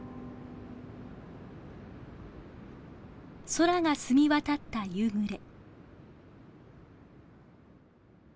空が澄み渡った夕暮れ。